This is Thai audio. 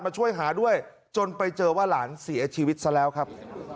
ช่วยหาด้วยจนไปเจอว่าหลานเสียชีวิตซะแล้วครับ